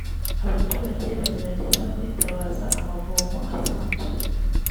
abaturage bagerageza kwitabaza amavomo asanzwe